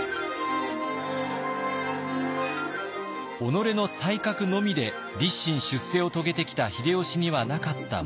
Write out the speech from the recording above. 己の才覚のみで立身出世を遂げてきた秀吉にはなかったもの。